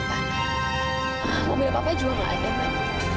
mobilnya papa juga nggak ada man